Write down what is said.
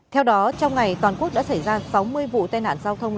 theo đó trong ngày toàn quốc đã xảy ra sáu mươi vụ tai nạn giao thông